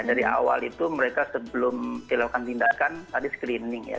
dari awal itu mereka sebelum dilakukan tindakan tadi screening ya